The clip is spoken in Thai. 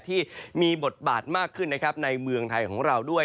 ที่มีบทบาทมากขึ้นนะครับในเมืองไทยของเราด้วย